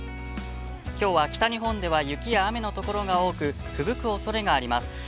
きょうは北日本では、雪や雨がところが多く吹雪くおそれがあります。